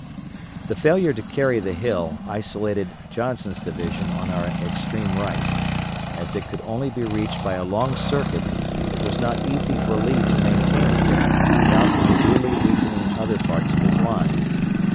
The failure to carry the hill isolated Johnson's division on our extreme right. As it could only be reached by a long circuit it was not easy for Lee to maintain it there, without unduly weakening other parts of his line.